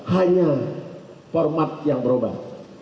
hanya format yang berubah